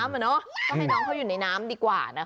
ก็ให้น้องเขาอยู่ในน้ำดีกว่า